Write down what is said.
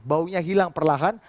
baunya hilang perlahan